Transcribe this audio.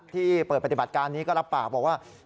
ที่เปิดปฏิบัติการนี้ก็รับปากบอกว่า